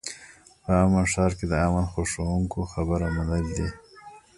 په امن ښار کې د امن خوښوونکو خبره منل دي.